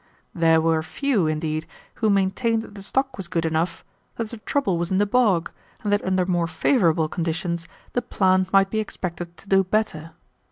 There were a few, indeed, who maintained that the stock was good enough, that the trouble was in the bog, and that under more favorable conditions the plant might be expected to do better.